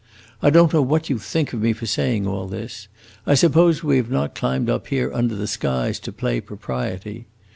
I don't know what you think of me for saying all this; I suppose we have not climbed up here under the skies to play propriety.